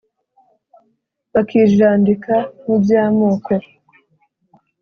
bakijandika muby’amoko